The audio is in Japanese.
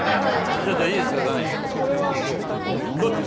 ちょっといいですかがね。